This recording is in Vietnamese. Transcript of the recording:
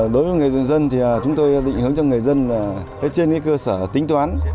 đối với người dân chúng tôi định hướng cho người dân trên cơ sở tính toán